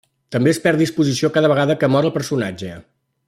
També es perd disposició cada vegada que mor el personatge.